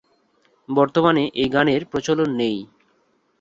বর্তমানে এ গানের প্রচলন নেই।